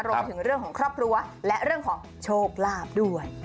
รวมถึงเรื่องของครอบครัวและเรื่องของโชคลาภด้วย